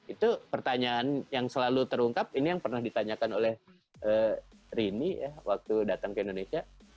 itu pertanyaan yang selalu terungkap ini yang pernah ditanyakan oleh rini waktu datang ke indonesia